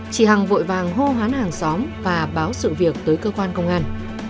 chỉ hàng vội vàng hô hán hàng xóm và báo sự việc tới cơ quan công an